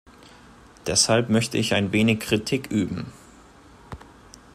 Deshalb möchte ich ein wenig Kritik üben.